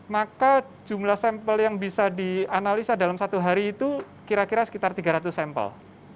maka jumlah sampel yang bisa dianalisa dalam satu hari itu kira kira sekitar tiga ratus sampel